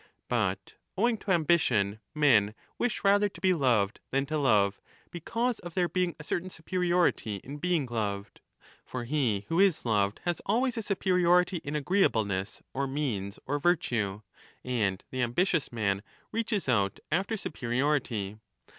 But owing to ambition men wish rather to be loved than to love, because of there being a certain superiority in being loved. For he who is loved has always a superiority 15 in agreeableness or means or virtue, and the ambitious man reaches out after superiority.